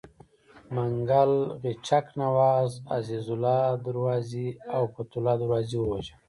منګل غچک نواز، عزیزالله دروازي او فتح الله دروازي ووژل.